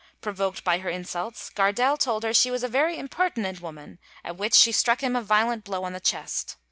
Provoked by her insults, Gardelle told her she was a very impertinent woman; at which she struck him a violent blow on the chest.